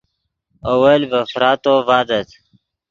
اول ڤے فراتو ڤادت